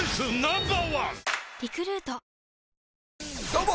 「どうも。